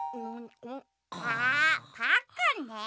あパックンね！